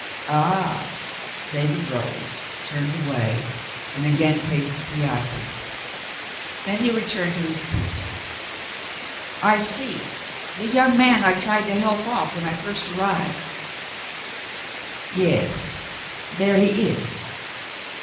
"All!" David rose, turned away, and again paced the piazza. Then he returned to his seat. "I see. The young man I tried to help off when I first arrived." "Yes. There he is."